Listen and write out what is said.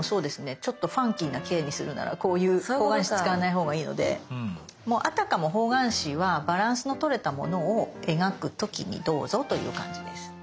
ちょっとファンキーな「Ｋ」にするならこういう方眼紙使わないほうがいいのであたかも方眼紙はバランスの取れたものを描く時にどうぞという感じです。